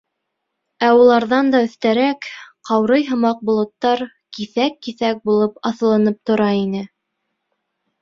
Ә уларҙан да өҫтәрәк ҡаурый һымаҡ болоттар киҫәк-киҫәк булып аҫылынып тора ине.